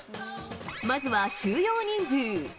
まずは収容人数。